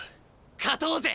勝とうぜ！